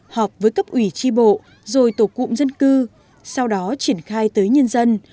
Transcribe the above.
họp với cấp ủy tri bộ rồi tổ cụm dân cư sau đó triển khai tới nhân dân